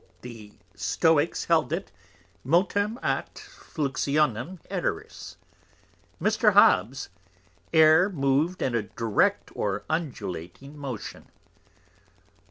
The Stoicks held it, Motum aut Fluxionem Aeris. Mr. Hobs, Air mov'd in a direct or undulating Motion.